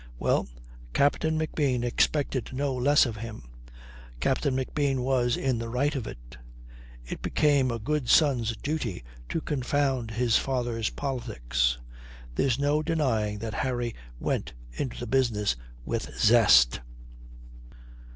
Well, Captain McBean expected no less of him. Captain McBean was in the right of it. It became a good son's duty to confound his father's politics. There's no denying that Harry went into the business with zest.